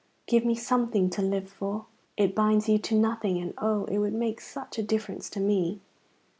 Give me something to live for. It binds you to nothing, and oh, it would make such a difference to me."